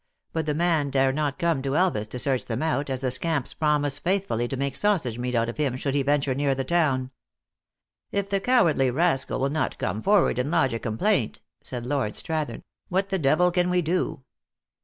But the man dare not come to Elvas to search them out, as the scamps promised faithful!/ to make sausage meat of him should he venture near the town." "If the cowardly rascal will not come forward and lodge a complaint," said Lord Strathern, "what the devil can we do